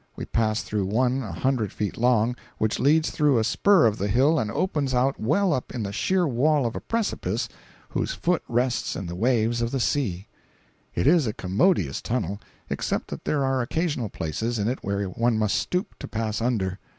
We passed through one a hundred feet long, which leads through a spur of the hill and opens out well up in the sheer wall of a precipice whose foot rests in the waves of the sea. It is a commodious tunnel, except that there are occasional places in it where one must stoop to pass under.